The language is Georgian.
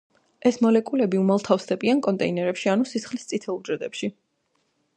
ეს მოლეკულები უმალ თავსდებიან კონტეინერებში ანუ სისხლის წითელ უჯრედებში.